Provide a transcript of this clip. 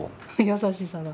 優しさが。